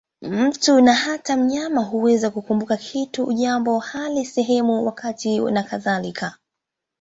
Mtu, na hata mnyama, huweza kukumbuka kitu, jambo, hali, sehemu, wakati nakadhalika.